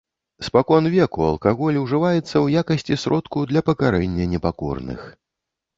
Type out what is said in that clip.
Спакон веку алкаголь ужываецца ў якасці сродку для пакарэння непакорных.